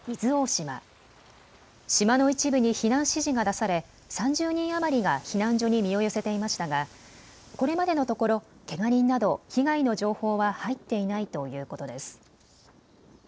島の一部に避難指示が出され３０人余りが避難所に身を寄せていましたがこれまでのところけが人など被害の情報は入っていないということです。